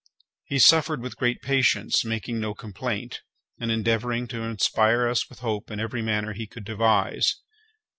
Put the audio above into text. He suffered with great patience, making no complaint, and endeavouring to inspire us with hope in every manner he could devise.